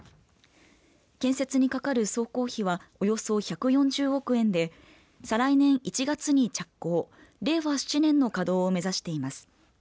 建設にかかる総工費はおよそ１４０億円で再来年１月に着工令和７年の稼働を目指しています。